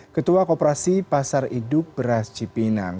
ketua koperasi pasar induk beras cipinang